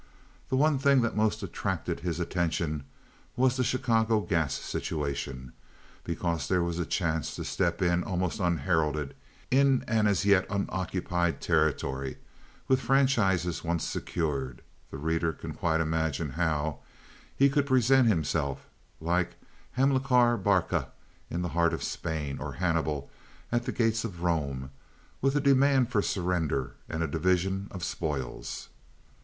The one thing that most attracted his attention was the Chicago gas situation, because there was a chance to step in almost unheralded in an as yet unoccupied territory; with franchises once secured—the reader can quite imagine how—he could present himself, like a Hamilcar Barca in the heart of Spain or a Hannibal at the gates of Rome, with a demand for surrender and a division of spoils.